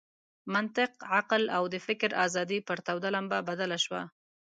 منطق، عقل او د فکر آزادي پر توده لمبه بدله شوه.